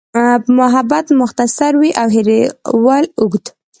محبت مختصر وي او هېرول اوږد.